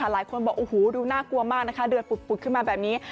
หลายคนบอกโอ้โหดูน่ากลัวมากนะคะเดินปุดขึ้นมาแบบนี้